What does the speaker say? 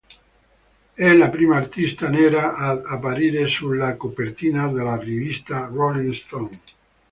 È la prima artista nera ad apparire sulla copertina della rivista Rolling Stone.